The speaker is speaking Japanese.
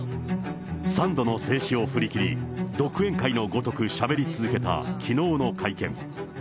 ３度の制止を振り切り、独演会のごとくしゃべり続けたきのうの会見。